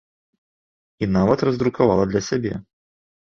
І нават раздрукавала для сябе.